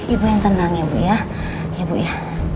ibu yang tenang ya bu ya ya bu ya